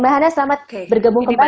mbak hana selamat bergabung kembali